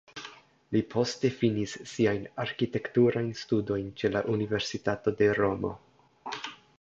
Li poste finis siajn arkitekturajn studojn ĉe la Universitato de Romo.